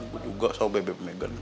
gue juga sama bebek megan